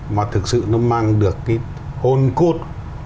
mà thực sự nó mang được cái hồn cốt